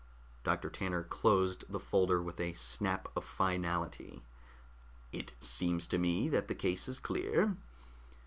Doctor Tanner closed the folder with a snap of finality. "It seems to me that the case is clear.